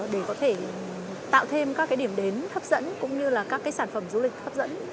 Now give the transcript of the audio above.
để có thể tạo thêm các điểm đến hấp dẫn cũng như là các sản phẩm du lịch hấp dẫn